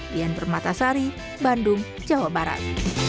dian permatasari bandung jawa barat